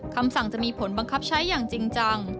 คำสั่งจะมีผลบังคับใช้อย่างจริงจัง